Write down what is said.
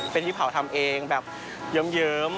เป็นที่เผาทำเองแบบเยิ้ม